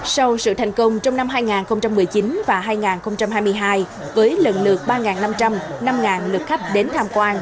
sau sự thành công trong năm hai nghìn một mươi chín và hai nghìn hai mươi hai với lần lượt ba năm trăm linh năm lượt khách đến tham quan